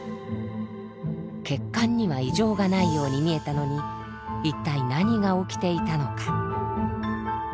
血管には異常がないように見えたのに一体何が起きていたのか？